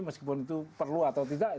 meskipun itu perlu atau tidak